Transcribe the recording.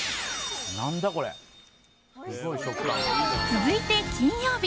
続いて、金曜日。